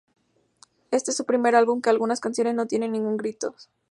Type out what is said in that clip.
Este es su primer álbum que algunas canciones no tienen ningún gritos.